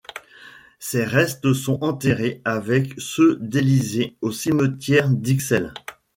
Ses restes sont enterrés, avec ceux d'Élisée, au cimetière d'Ixelles.